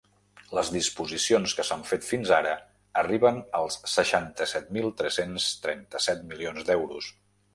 Les disposicions que s’han fet fins ara arriben als seixanta-set mil tres-cents trenta-set milions d’euros.